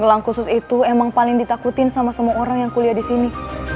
gelang khusus itu emang paling ditakutin sama semua orang yang kuliah di sini